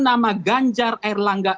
nama ganjar erlangga